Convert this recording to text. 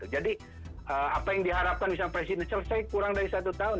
jadi apa yang diharapkan bisa presiden selesai kurang dari satu tahun